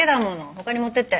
他に持ってって。